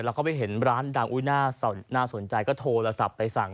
แล้วก็ไปเห็นร้านดังน่าสนใจก็โทรศัพท์ไปสั่ง